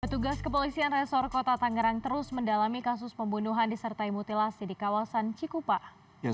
petugas kepolisian resor kota tangerang terus mendalami kasus pembunuhan disertai mutilasi di kawasan cikupang